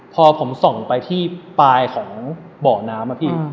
พอผมส่องไปที่ปลายของบ่อน้ำอะพี่